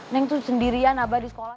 neng itu sendirian abah di sekolah